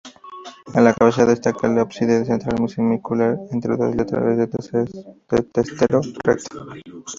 En la cabecera destaca el ábside central semicircular entre dos laterales de testero recto.